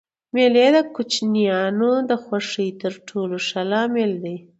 مېلې د کوچنيانو د خوښۍ تر ټولو ښه لامل دئ.